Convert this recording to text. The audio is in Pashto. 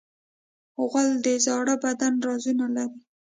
غول د زاړه بدن رازونه لري.